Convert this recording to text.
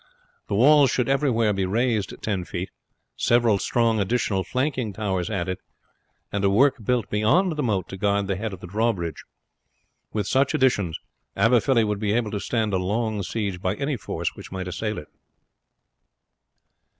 The walls should everywhere be raised ten feet, several strong additional flanking towers added, and a work built beyond the moat to guard the head of the drawbridge. With such additions Aberfilly would be able to stand a long siege by any force which might assail it.